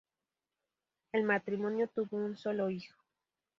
El matrimonio tuvo un solo hijo.